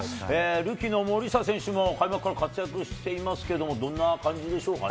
ルーキーの森下選手も開幕から活躍していますけれども、どんな感じでしょうかね。